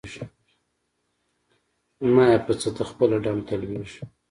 زما یی په څه؟ ته خپله ډم ته لویږي.